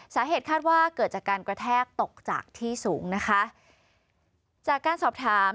สาเหตุคาดว่าเกิดจากการกระแทกตกจากที่สูงนะคะจากการสอบถาม